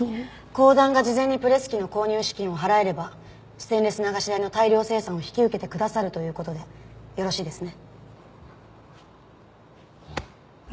公団が事前にプレス機の購入資金を払えればステンレス流し台の大量生産を引き受けてくださるという事でよろしいですね？